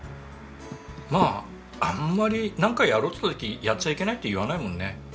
まああんまりなんかやろうって時やっちゃいけないって言わないもんね。